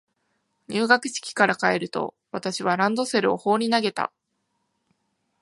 入学式から帰ると、私はランドセルを放り投げた。